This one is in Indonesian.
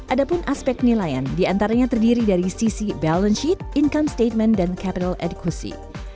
ada pun aspek penilaian diantaranya terdiri dari sisi balance sheet income statement dan capital adecucy